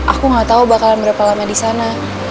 aku gak tau bakalan berapa lama disana